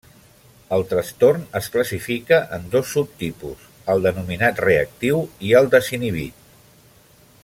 El trastorn es classifica en dos subtipus: el denominat reactiu i el desinhibit.